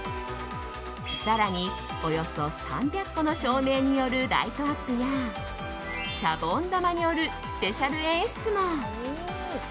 更に、およそ３００個の照明によるライトアップやシャボン玉によるスペシャル演出も。